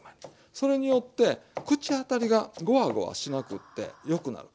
それによって口当たりがごわごわしなくってよくなる。